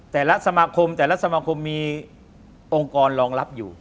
แต่ละสมาคมแต่ละสมาคมมีองค์กรรองรับอยู่